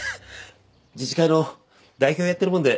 自治会の代表やってるもんで。